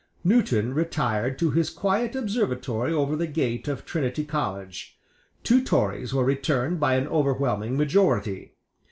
Newton retired to his quiet observatory over the gate of Trinity College. Two Tories were returned by an overwhelming majority.